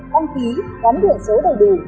đăng ký gắn điện số đầy đủ